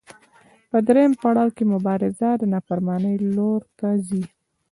په درېیم پړاو کې مبارزه د نافرمانۍ لور ته ځي.